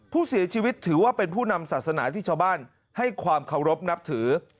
ผู้เสียชีวิตถือว่าเป็นผู้นำศาสนาที่ชาวบ้านให้ความเคารพนับถือ